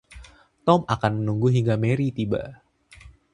Tom akan menunggu hingga Mary tiba.